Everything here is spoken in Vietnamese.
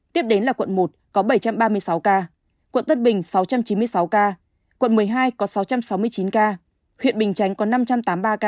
tiếp đến là quận một có bảy trăm ba mươi sáu ca quận tân bình sáu trăm chín mươi sáu ca quận một mươi hai có sáu trăm sáu mươi chín ca huyện bình chánh có năm trăm tám mươi ba ca